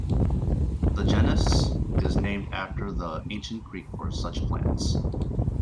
The genus is named after the Ancient Greek for such plants.